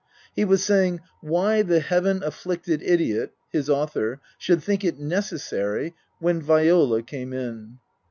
He was saying " Why the Heaven afflicted idiot " (his author) " should think it necessary " when Viola came in.